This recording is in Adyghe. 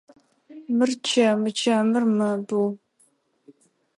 Мыр чэмы, чэмыр мэбыу.